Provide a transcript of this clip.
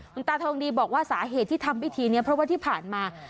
คุณตาทองดีบอกว่าสาเหตุที่ทำพิธีนี้เพราะว่าที่ผ่านมา